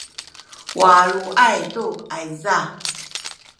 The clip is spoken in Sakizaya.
waluay tu ayza